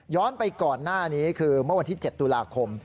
ไปก่อนหน้านี้คือเมื่อวันที่๗ตุลาคม